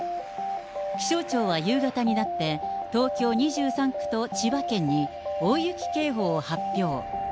気象庁は夕方になって、東京２３区と千葉県に大雪警報を発表。